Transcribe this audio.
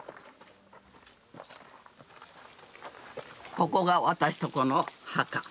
ここが私のとこの墓。